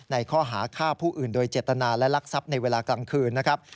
ในข้อหาฆ่าผู้อื่นโดยเจตนาและลักทรัพย์ในเวลากลางคืนนะครับ